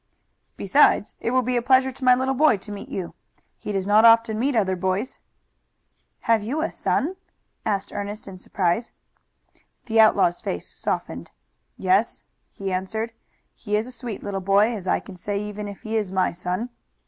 "Besides, it will be a pleasure to my little boy to meet you. He does not often meet other boys." "Have you a son?" asked Ernest in surprise. The outlaw's face softened. "Yes," he answered. "He is a sweet little boy, as I can say even if he is my son.